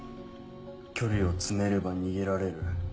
距離を詰めれば逃げられる。